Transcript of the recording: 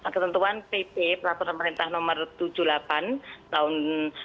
ketentuan pp peraturan pemerintah nomor tujuh puluh delapan tahun dua ribu dua